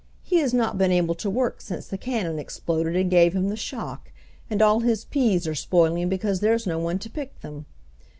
He has not been able to work since the cannon exploded and gave him the shock, and all his peas are spoiling because there's no one to pick them.